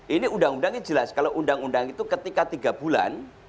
ini undang undangnya jelas kalau undang undang itu ketika tiga bulan